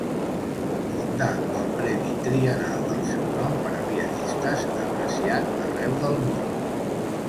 Fundà el premi triennal del seu nom per a pianistes, apreciat arreu del món.